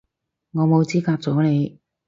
我冇資格阻你